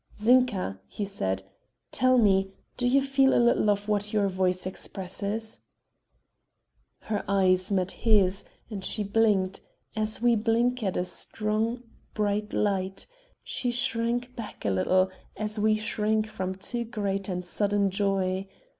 "Zinka," he said, "tell me, do you feel a little of what your voice expresses?" Her eyes met his and she blinked, as we blink at a strong, bright light; she shrank back a little, as we shrink from too great and sudden joy.